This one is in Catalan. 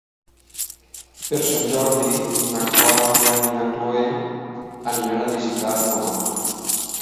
Per Sant Jordi na Clàudia i na Cloè aniran a visitar mon oncle.